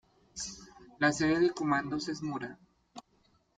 La sede de condado es Mora.